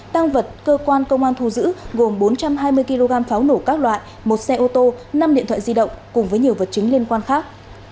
tăng vật cơ quan công an thu giữ gồm bốn trăm hai mươi kg pháo nổ các loại một xe ô tô năm điện thoại di động cùng với nhiều vật chứng liên quan khác